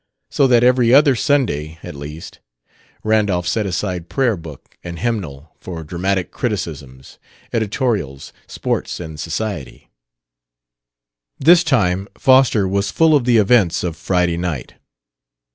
So that, every other Sunday at least, Randolph set aside prayer book and hymnal for dramatic criticisms, editorials, sports and "society." This time Foster was full of the events of Friday night.